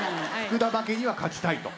福田だけには勝ちたいと？